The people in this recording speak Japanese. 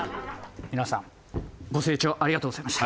皆さんご清聴ありがとうございました。